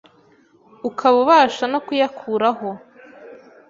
ukaba ubasha no kuyakuraho